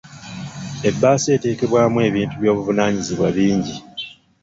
Ebbaasa eteekebwamu ebintu by'obuvunaanyizibwa bingi.